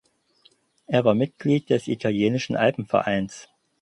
Er war Mitglied des italienischen Alpenvereins.